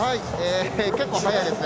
結構速いですね。